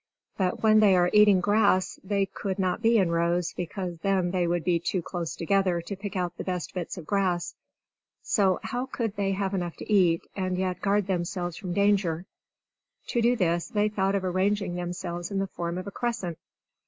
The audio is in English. But when they are eating grass, they could not be in rows; because then they would be too close together to pick out the best bits of grass. So, how could they have enough to eat, and yet guard themselves from danger? To do this they thought of arranging themselves in the form of a crescent.